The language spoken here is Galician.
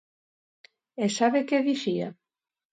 ¿E sabe que dicía?